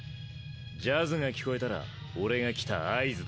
ジャズが聴こえたら俺が来た合図だ。